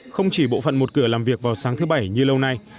không chỉ bộ phận một cửa làm việc vào sáng thứ bảy như lâu nay